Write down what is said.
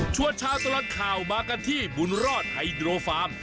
ชาวตลอดข่าวมากันที่บุญรอดไฮโดรฟาร์ม